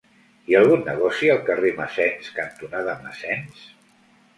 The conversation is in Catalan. Hi ha algun negoci al carrer Massens cantonada Massens?